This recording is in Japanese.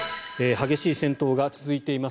激しい戦闘が続いています